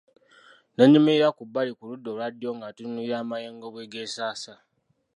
Ne nnyimirira ku bbali ku ludda olwa ddyo nga ntunuulira amayengo bwe geesasa.